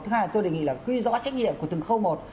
thứ hai tôi đề nghị là quy rõ trách nhiệm của từng khâu một